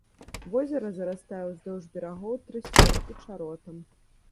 Возера зарастае ўздоўж берагоў трысцём і чаротам.